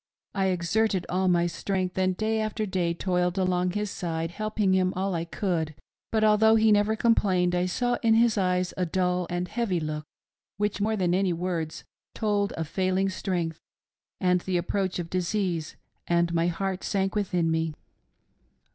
I exerted all my strength, and day after day toiled along at his side, helping him all I could ;, but although he never complained, I saw in his eyes a dull and heavy look which, more than any words, told of failing strength and the approach of disease, and my heart sank within me.